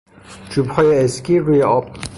چوبهای اسکی روی آب